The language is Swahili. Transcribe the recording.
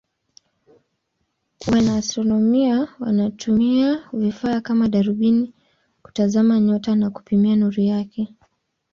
Wanaastronomia wanatumia vifaa kama darubini kutazama nyota na kupima nuru yake.